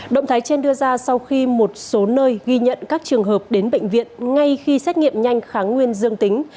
động thái trên đưa ra sau khi một số nơi ghi nhận các trường hợp đến bệnh viện ngay khi xét nghiệm nhanh kháng nguyên dương tính